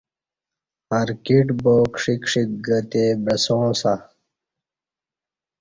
ارکیٹ با کݜیک کݜیک گہ تے بعساں سہ